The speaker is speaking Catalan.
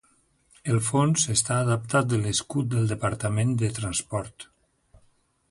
El fons està adaptat de l'escut del Departament de Transport.